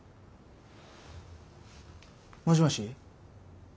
もしもし。